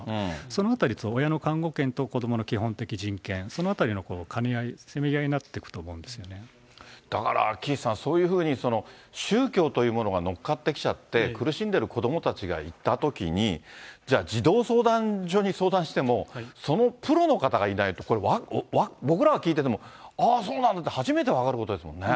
そのあたり、親の観護権と子どもの基本的人権、そのあたりの兼ね合い、せめぎ合だから岸さん、そういうふうにその宗教というものが乗っかってきちゃって、苦しんでる子どもたちがいたときに、じゃあ、児童相談所に相談しても、そのプロの方がいないと、僕らが聞いてても、ああ、そうなんだって、初めて分かることですもんね。